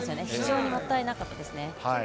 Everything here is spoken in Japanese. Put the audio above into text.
非常にもったいなかったですね。